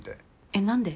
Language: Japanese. えっ何で？